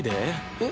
えっ？